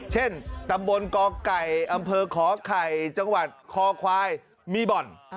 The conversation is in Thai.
เช่นตำบลกไก่อำเภอขอไข่จังหวัดคอควายมีบ่อน